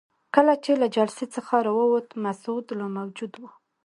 کله چې له جلسې څخه راووتو مسعود لا موجود وو.